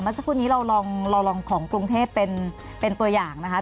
สักครู่นี้เราลองของกรุงเทพเป็นตัวอย่างนะคะ